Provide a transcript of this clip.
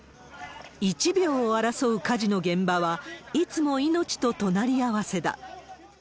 １秒を争う火事の現場は、いつも命と隣合わせだ。